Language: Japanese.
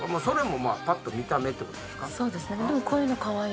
それもパッと見た目ってことですか？